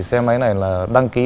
xe máy này là đăng ký